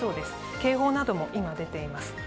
警報なども今、出ています。